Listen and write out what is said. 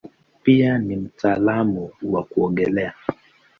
Pia ni mtaalamu wa kuogelea.